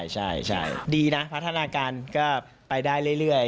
ใช่ดีนะพัฒนาการก็ไปได้เรื่อย